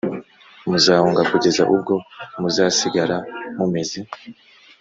muzahunga kugeza ubwo muzasigara mumeze